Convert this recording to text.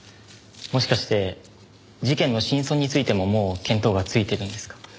もしかして事件の真相についてももう見当がついてるんですか？